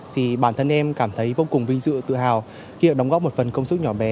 thì bản thân em cảm thấy vô cùng vinh dự tự hào khi đóng góp một phần công sức nhỏ bé